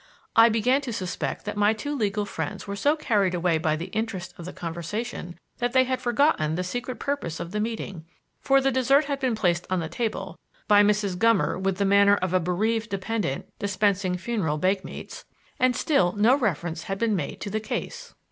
I began to suspect that my two legal friends were so carried away by the interest of the conversation that they had forgotten the secret purpose of the meeting, for the dessert had been placed on the table (by Mrs. Gummer with the manner of a bereaved dependent dispensing funeral bakemeats), and still no reference had been made to the "case."